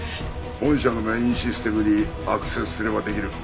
本社のメインシステムにアクセスすれば出来る。